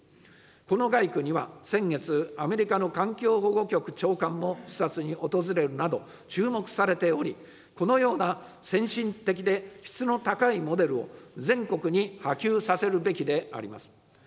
この街区には、先月、アメリカの環境保護局長官も視察に訪れるなど注目されており、このような先進的で質の高いモデルを、全国に波及させるべきであります。